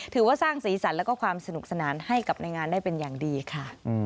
ถือว่าสร้างสีสันแล้วก็ความสนุกสนานให้กับในงานได้เป็นอย่างดีค่ะ